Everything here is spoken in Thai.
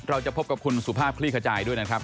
เราจะพบกับคุณสุภาพคลี่ขจายด้วยนะครับ